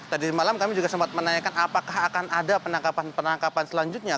tadi malam kami juga sempat menanyakan apakah akan ada penangkapan penangkapan selanjutnya